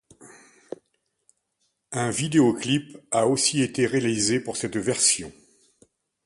Un vidéoclip a aussi été réalisé pour cette version.